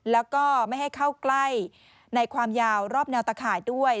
แล้วก็ไม่ให้เข้าใกล้ในความยาวรอบแนวตะข่ายด้วย